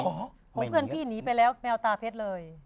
เพื่อนพี่หนีไปแล้วแมวตาเพชรเลย